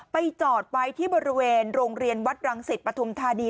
ไปจอดไปที่บริเวณโรงเรียนวัดรังศิษย์ปฐมธานี